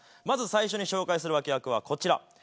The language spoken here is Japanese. まず最初に紹介する脇役はこちら。